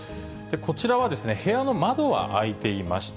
こちらは、部屋の窓は開いていました。